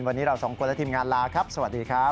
วันนี้เราสองคนและทีมงานลาครับสวัสดีครับ